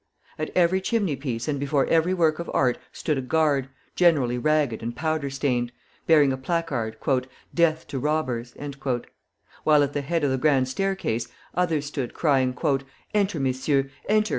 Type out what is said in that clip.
At every chimney piece and before every work of art stood a guard, generally ragged and powder stained, bearing a placard, "Death to Robbers!" while at the head of the Grand Staircase others stood, crying, "Enter, messieurs! Enter!